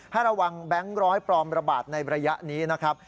ให้ระวังแบงค์ร้อยปลอมระบาดในระยะนี้นะครับ